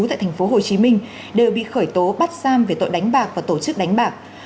tại tp hcm đều bị khởi tố bắt giam về tội đánh bạc và tổ chức đánh bạc